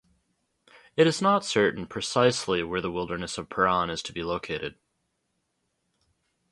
It is not certain precisely where the wilderness of Paran is to be located.